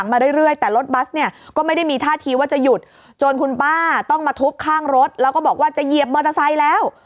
มาเรื่อยแต่รถบัสเนี่ยก็ไม่ได้มีท่าทีว่าจะหยุดจนคุณป้าต้องมาทุบข้างรถแล้วก็บอกว่าจะเหยียบมอเตอร์ไซค์แล้ว